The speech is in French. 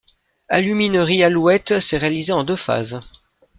Aluminerie Alouette s’est réalisée en deux phases.